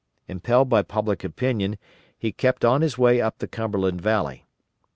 Impelled by public opinion he kept on his way up the Cumberland Valley.